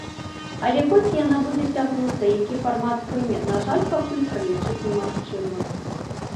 Але колькі яна будзе цягнуцца, які фармат прыме, на жаль, пакуль пралічыць немагчыма.